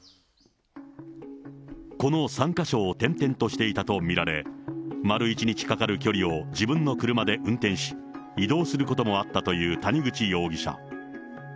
この３か所を転々としていたと見られ、丸１日かかる距離を自分の車で運転し、移動することもあったという谷口容疑者。